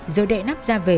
rồi đệ nắp ra về